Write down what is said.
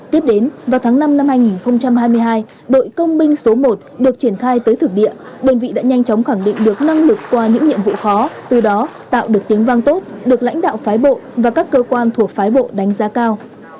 tiếp đến vào tháng năm năm hai nghìn hai mươi hai đội công binh số một được triển khai tới thực địa đơn vị đã nhanh chóng khẳng định được năng lực qua những nhiệm vụ khó từ đó tạo được tiếng vang tốt được lãnh đạo phái bộ và các cơ quan thuộc phái bộ đánh giá cao